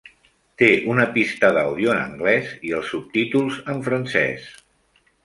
Té una pista d"àudio en anglès i els subtítols en francès.